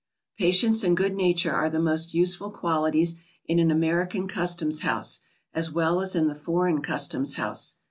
Patience and good nature are the most useful qualities in an American customs house as well as in the foreign customs house.